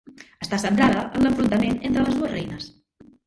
Està centrada en l'enfrontament entre les dues reines.